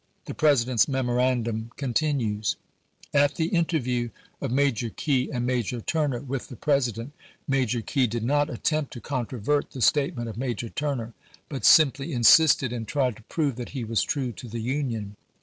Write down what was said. The President's memorandum continues : At the interview of Major Key and Major Turner with the President, Major Key did not attempt to controvert the statement of Major Turner, but simply insisted and tried to prove that he was true to the Union.